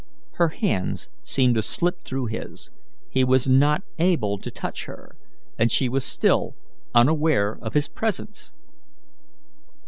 Her hands seemed to slip through his; he was not able to touch her, and she was still unaware of his presence.